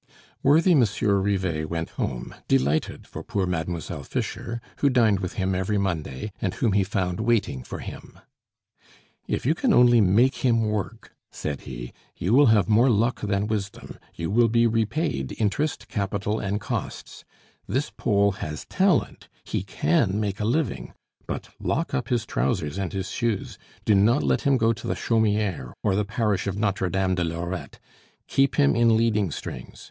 Worthy Monsieur Rivet went home, delighted for poor Mademoiselle Fischer, who dined with him every Monday, and whom he found waiting for him. "If you can only make him work," said he, "you will have more luck than wisdom; you will be repaid, interest, capital, and costs. This Pole has talent, he can make a living; but lock up his trousers and his shoes, do not let him go to the Chaumiere or the parish of Notre Dame de Lorette, keep him in leading strings.